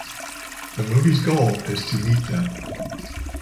The movie’s goal is to meet them.